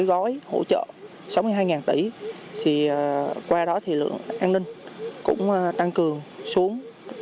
gói hỗ trợ sáu mươi hai tỷ thì qua đó thì lượng an ninh cũng tăng cường xuống